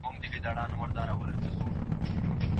زه کولای سم ډوډۍ پخه کړم.